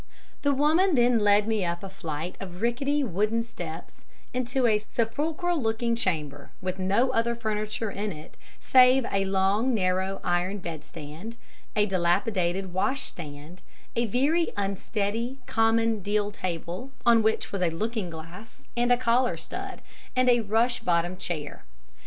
"The woman then led me up a flight of rickety, wooden steps and into a sepulchral looking chamber with no other furniture in it save a long, narrow, iron bedstead, a dilapidated washstand, a very unsteady, common deal table, on which was a looking glass and a collar stud, and a rush bottomed chair.